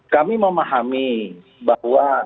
kami memahami bahwa